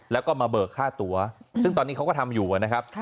แล้วก็มาเบิกค่าตัวซึ่งตอนนี้เขาก็ทำอยู่นะครับ